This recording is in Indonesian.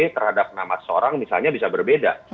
terhadap nama seseorang misalnya bisa berbeda